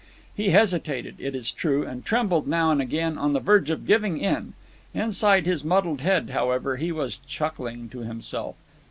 He hesitated, it is true, and trembled now and again on the verge of giving in. Inside his muddled head, however, he was chuckling to himself.